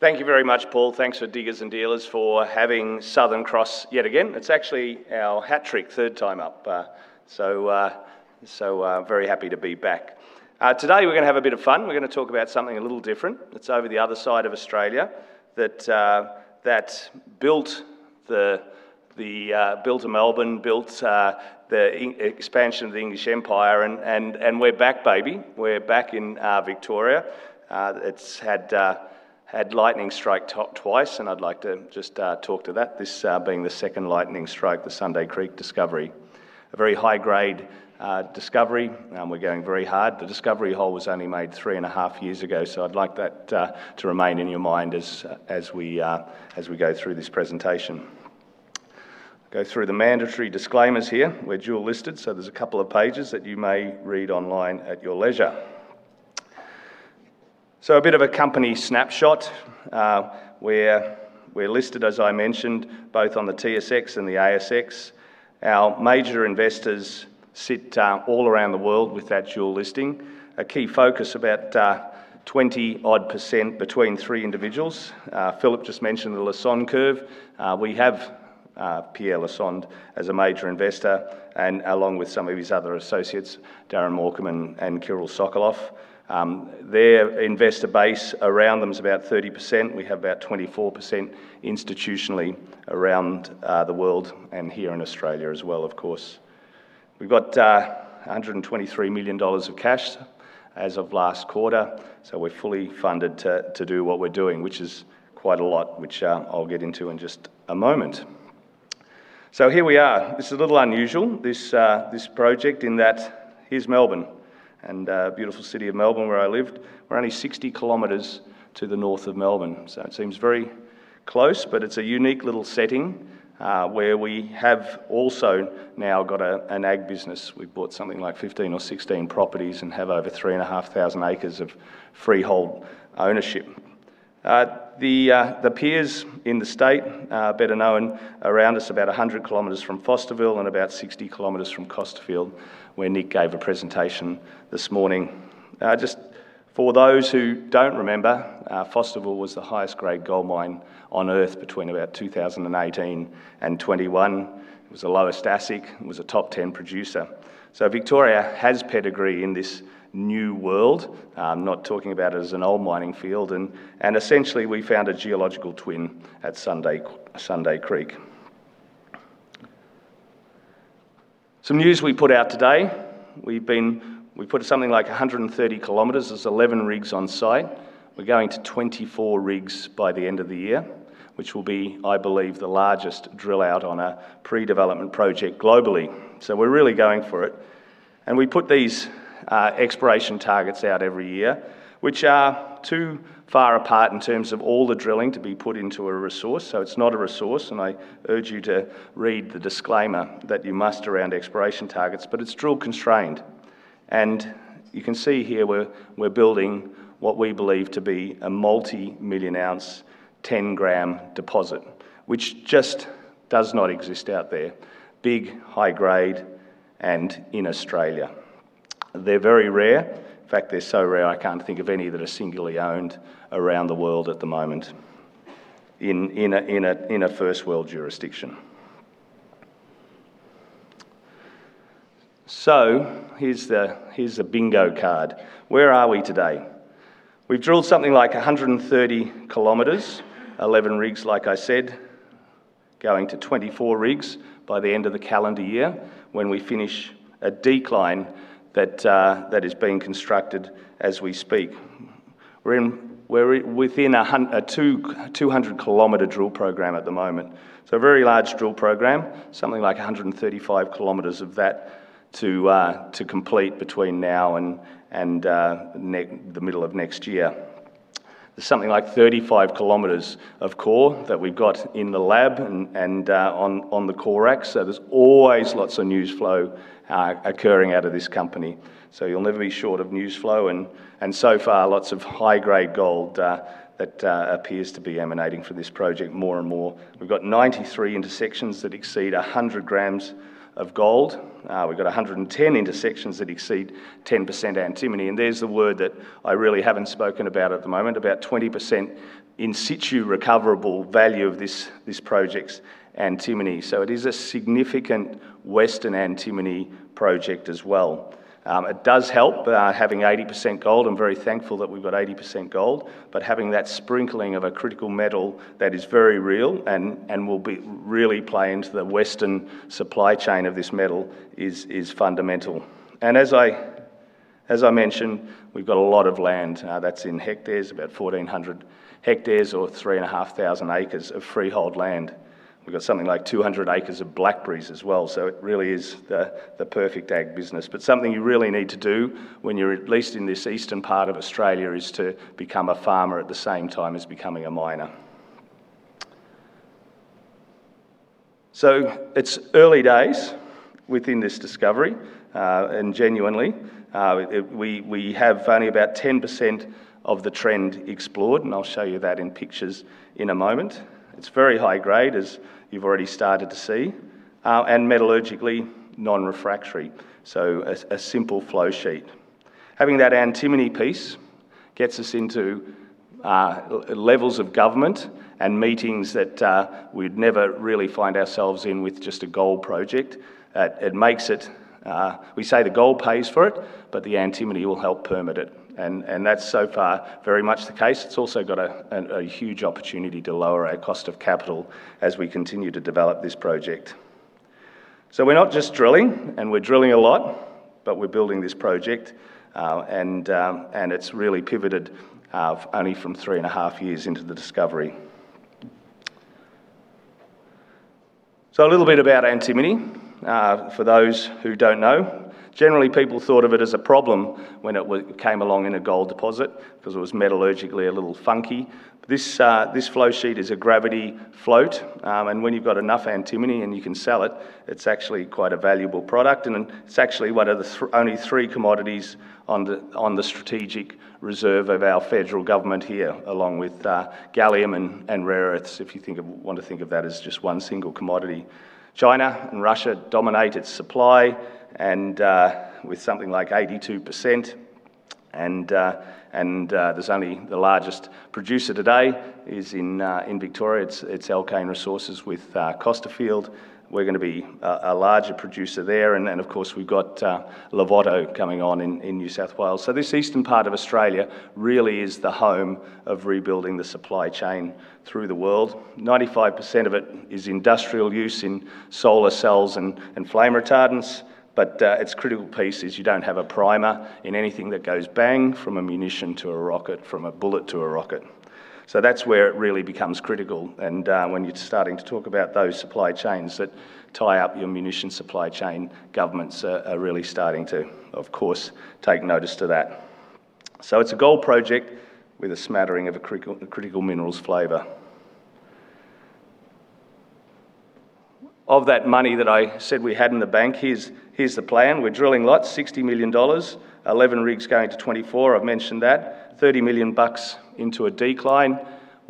Thank you very much, Paul. Thanks for Diggers and Dealers for having Southern Cross yet again. It's actually our hat trick, third time up. Very happy to be back. Today, we're going to have a bit of fun. We're going to talk about something a little different. It's over the other side of Australia that built Melbourne, built the expansion of the English empire, and we're back, baby. We're back in Victoria. It's had lightning strike twice, and I'd like to just talk to that. This being the second lightning strike, the Sunday Creek discovery. A very high-grade discovery. We're going very hard. The discovery hole was only made 3.5 years ago. I'd like that to remain in your mind as we go through this presentation. Go through the mandatory disclaimers here. We're dual listed. There's a couple of pages that you may read online at your leisure. A bit of a company snapshot. We're listed, as I mentioned, both on the TSX and the ASX. Our major investors sit all around the world with that dual listing. A key focus, about 20% odd between three individuals. Philip just mentioned the Lassonde Curve. We have Pierre Lassonde as a major investor, along with some of his other associates, Darren Morcombe and Kiril Sokoloff. Their investor base around them is about 30%. We have about 24% institutionally around the world and here in Australia as well, of course. We've got 123 million dollars of cash as of last quarter. We're fully funded to do what we're doing, which is quite a lot, which I'll get into in just a moment. Here we are. This is a little unusual, this project, in that here's Melbourne and beautiful City of Melbourne, where I lived. We're only 60 km to the north of Melbourne. It seems very close, but it's a unique little setting, where we have also now got an ag business. We bought something like 15 or 16 properties and have over 3,500 acres of freehold ownership. The piers in the state are better known around us about 100 km from Fosterville and about 60 km from Costerfield, where Nick gave a presentation this morning. Just for those who don't remember, Fosterville was the highest-grade gold mine on Earth between about 2018 and 2021. It was the lowest cost. It was a top 10 producer. Victoria has pedigree in this new world. I'm not talking about it as an old mining field. Essentially, we found a geological twin at Sunday Creek. Some news we put out today. We put something like 130 km. There's 11 rigs on site. We're going to 24 rigs by the end of the year, which will be, I believe, the largest drill out on a pre-development project globally. We're really going for it. We put these exploration targets out every year, which are too far apart in terms of all the drilling to be put into a resource. It's not a resource, and I urge you to read the disclaimer that you must around exploration targets, but it's drill-constrained. You can see here we're building what we believe to be a multimillion-ounce, 10-g deposit, which just does not exist out there. Big, high-grade, and in Australia. They're very rare. In fact, they're so rare I can't think of any that are singularly owned around the world at the moment in a first-world jurisdiction. Here's the bingo card. Where are we today? We've drilled something like 130 km, 11 rigs, like I said, going to 24 rigs by the end of the calendar year when we finish a decline that is being constructed as we speak. We're within a 200-km drill program at the moment. A very large drill program, something like 135 km of that to complete between now and the middle of next year. There's something like 35 km of core that we've got in the lab and on the core rack, there's always lots of news flow occurring out of this company. You'll never be short of news flow, and so far, lots of high-grade gold that appears to be emanating from this project more and more. We've got 93 intersections that exceed 100 g of gold. We've got 110 intersections that exceed 10% antimony. There's the word that I really haven't spoken about at the moment, about 20% in situ recoverable value of this project's antimony. It is a significant western antimony project as well. It does help having 80% gold. I'm very thankful that we've got 80% gold, having that sprinkling of a critical metal that is very real and will really play into the Western supply chain of this metal is fundamental. As I mentioned, we've got a lot of land. That's in hectares, about 1,400 hectares or 3,500 acres of freehold land. We've got something like 200 acres of blackberries as well, it really is the perfect ag business. Something you really need to do when you're at least in this eastern part of Australia is to become a farmer at the same time as becoming a miner. It's early days within this discovery, and genuinely, we have only about 10% of the trend explored, and I'll show you that in pictures in a moment. It's very high grade, as you've already started to see, and metallurgically non-refractory. A simple flow sheet. Having that antimony piece gets us into levels of government and meetings that we'd never really find ourselves in with just a gold project. We say the gold pays for it, the antimony will help permit it, and that's so far very much the case. It's also got a huge opportunity to lower our cost of capital as we continue to develop this project. We're not just drilling, and we're drilling a lot, we're building this project, and it's really pivoted only from three and a half years into the discovery. A little bit about antimony, for those who don't know. Generally, people thought of it as a problem when it came along in a gold deposit because it was metallurgically a little funky. This flow sheet is a gravity float. When you've got enough antimony and you can sell it's actually quite a valuable product, and it's actually one of the only three commodities on the strategic reserve of our federal government here, along with gallium and rare earths, if you want to think of that as just one single commodity. China and Russia dominate its supply with something like 82%, the largest producer today is in Victoria. It is Alkane Resources with Costerfield. We are going to be a larger producer there. Of course, we have Larvotto coming on in New South Wales. This eastern part of Australia really is the home of rebuilding the supply chain through the world. 95% of it is industrial use in solar cells and flame retardants, its critical piece is you do not have a primer in anything that goes bang, from a munition to a rocket, from a bullet to a rocket. That is where it really becomes critical. When you are starting to talk about those supply chains that tie up your munition supply chain, governments are really starting to, of course, take notice to that. It is a gold project with a smattering of a critical minerals flavor. Of that money that I said we had in the bank, here is the plan. We are drilling lots, 60 million dollars, 11 rigs going to 24, I have mentioned that. 30 million bucks into a decline,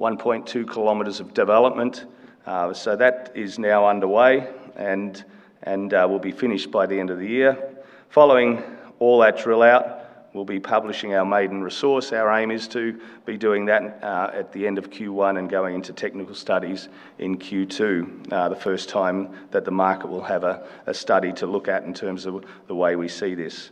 1.2 km of development. That is now underway and will be finished by the end of the year. Following all that drill out, we will be publishing our maiden resource. Our aim is to be doing that at the end of Q1 and going into technical studies in Q2, the first time that the market will have a study to look at in terms of the way we see this.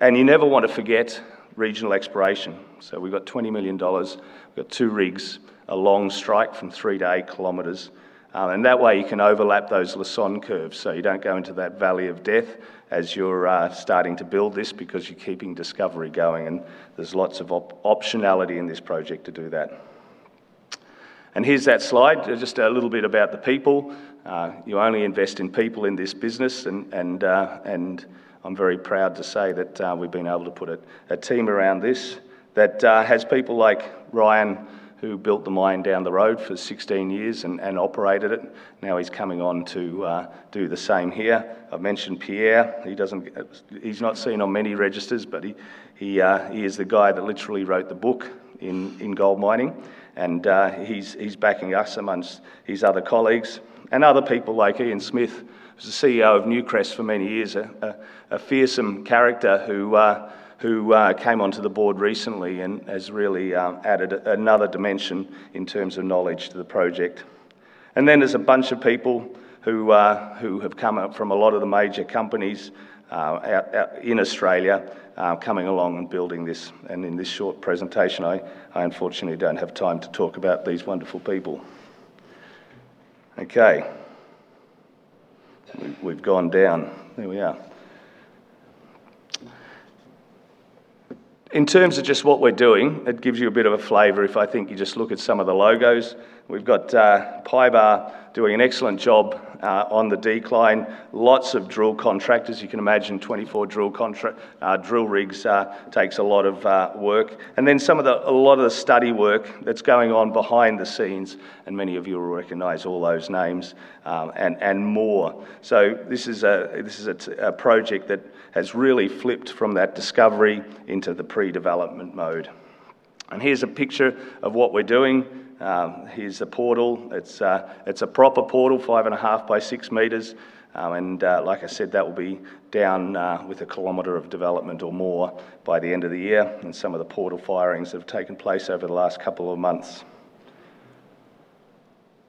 You never want to forget regional exploration. We have 20 million dollars. We have two rigs, a long strike from 30 kilometers. That way you can overlap those Lassonde curves, you do not go into that valley of death as you are starting to build this because you are keeping discovery going, there is lots of optionality in this project to do that. Here is that slide, just a little bit about the people. You only invest in people in this business, I am very proud to say that we have been able to put a team around this that has people like Ryan, who built the mine down the road for 16 years and operated it. Now he is coming on to do the same here. I have mentioned Pierre. He is not seen on many registers, he is the guy that literally wrote the book in gold mining, he is backing us amongst his other colleagues. Other people like Ian Smith, who was the CEO of Newcrest for many years, a fearsome character who came onto the board recently and has really added another dimension in terms of knowledge to the project. Then there is a bunch of people who have come up from a lot of the major companies out in Australia, coming along and building this. In this short presentation, I unfortunately do not have time to talk about these wonderful people. We have gone down. There we are. In terms of just what we are doing, it gives you a bit of a flavor if I think you just look at some of the logos. We have PYBAR doing an excellent job on the decline. Lots of drill contractors. You can imagine 24 drill rigs takes a lot of work. A lot of the study work that's going on behind the scenes, and many of you will recognize all those names and more. This is a project that has really flipped from that discovery into the pre-development mode. Here's a picture of what we're doing. Here's a portal. It's a proper portal, 5.5 m by 6 m. Like I said, that will be down with 1 km of development or more by the end of the year. Some of the portal firings have taken place over the last couple of months.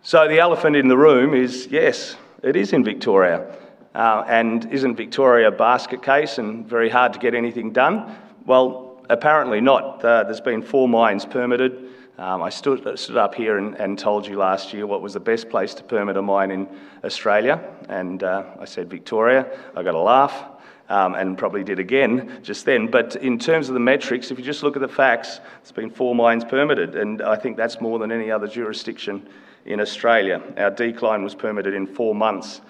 The elephant in the room is, yes, it is in Victoria. Isn't Victoria a basket case and very hard to get anything done? Well, apparently not. There's been four mines permitted. I stood up here and told you last year what was the best place to permit a mine in Australia, I said Victoria. I got a laugh, and probably did again just then. In terms of the metrics, if you just look at the facts, it's been four mines permitted, and I think that's more than any other jurisdiction in Australia. Our decline was permitted in four months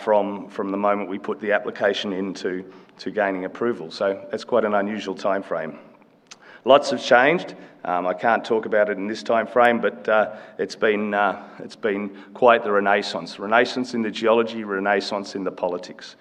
from the moment we put the application in to gaining approval. That's quite an unusual timeframe. Lots have changed. I can't talk about it in this timeframe, but it's been quite the renaissance. Renaissance in the geology, renaissance in the politics.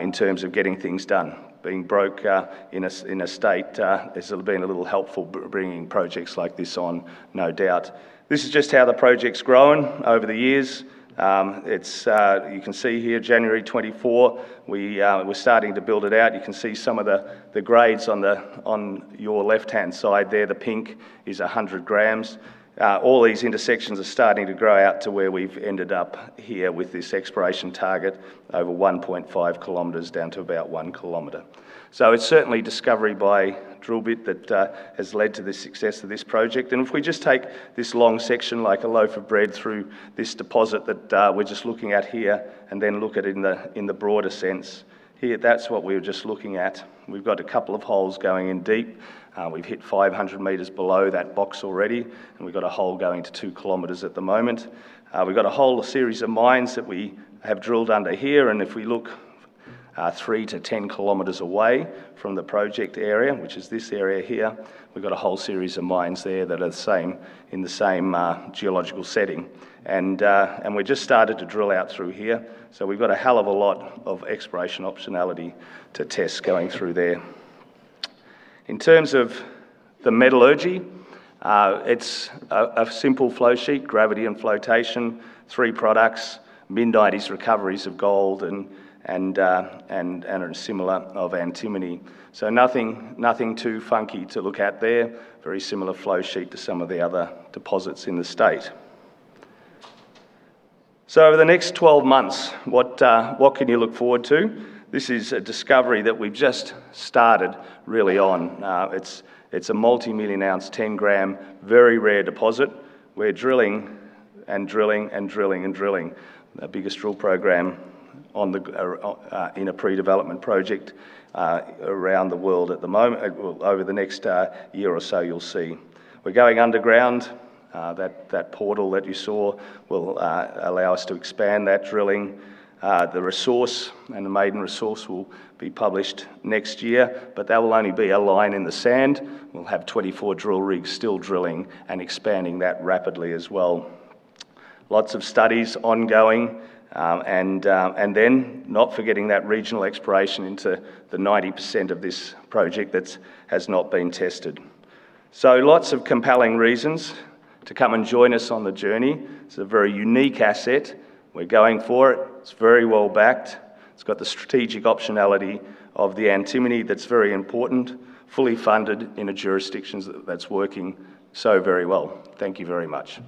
In terms of getting things done. Being broke in a state has been a little helpful bringing projects like this on, no doubt. This is just how the project's grown over the years. You can see here, January 2024, we're starting to build it out. You can see some of the grades on your left-hand side there. The pink is 100 g. All these intersections are starting to grow out to where we've ended up here with this exploration target over 1.5 km down to about 1 km. It's certainly discovery by drill bit that has led to the success of this project. If we just take this long section like a loaf of bread through this deposit that we're just looking at here, then look at it in the broader sense, here, that's what we're just looking at. We've got a couple of holes going in deep. We've hit 500 m below that box already, and we've got a hole going to 2 km at the moment. We've got a whole series of mines that we have drilled under here, and if we look 3 km-10 km away from the project area, which is this area here, we've got a whole series of mines there that are in the same geological setting. We just started to drill out through here. We've got a hell of a lot of exploration optionality to test going through there. In terms of the metallurgy, it's a simple flow sheet, gravity and flotation, three products, mid-1990s recoveries of gold and a similar of antimony. Nothing too funky to look at there. Very similar flow sheet to some of the other deposits in the state. Over the next 12 months, what can you look forward to? This is a discovery that we've just started really on. It's a multimillion-ounce, 10-g, very rare deposit. We're drilling and drilling and drilling and drilling. The biggest drill program in a pre-development project around the world over the next year or so, you'll see. We're going underground. That portal that you saw will allow us to expand that drilling. The resource and the maiden resource will be published next year, but that will only be a line in the sand. We'll have 24 drill rigs still drilling and expanding that rapidly as well. Lots of studies ongoing, then not forgetting that regional exploration into the 90% of this project that has not been tested. Lots of compelling reasons to come and join us on the journey. It's a very unique asset. We're going for it. It's very well-backed. It's got the strategic optionality of the antimony that's very important, fully funded in a jurisdiction that's working so very well. Thank you very much.